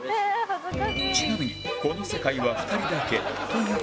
ちなみに「この世界は２人だけ」という意味